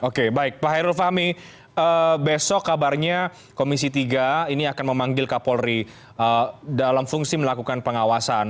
oke baik pak hairul fahmi besok kabarnya komisi tiga ini akan memanggil kapolri dalam fungsi melakukan pengawasan